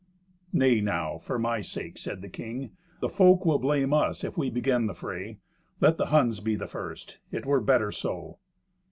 "Nay now, for my sake," said the king. "The folk will blame us if we begin the fray. Let the Huns be the first. It were better so."